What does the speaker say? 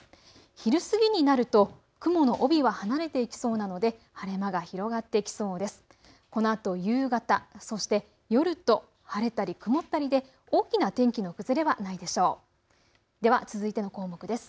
昼過ぎになると雲の帯は離れていきそうなので晴れ間が広がってきそうです。